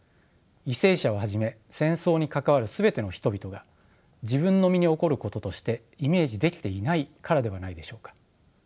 為政者をはじめ戦争に関わる全ての人々が自分の身に起こることとしてイメージできていないからではないでしょうか。